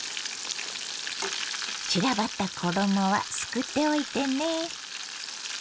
散らばった衣はすくっておいてね。